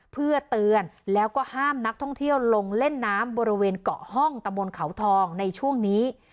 เพื่อเตือนแล้วก็ห้ามนักท่องเที่ยวลงเล่นน้ำบริเวณเกาะห้องตะมนต์เขาทองในช่วงนี้